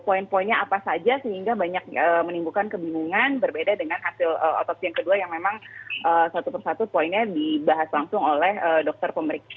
poin poinnya apa saja sehingga banyak menimbulkan kebingungan berbeda dengan hasil otopsi yang kedua yang memang satu persatu poinnya dibahas langsung oleh dokter pemeriksaan